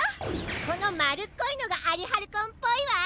このまるっこいのがアリハルコンっぽいわ！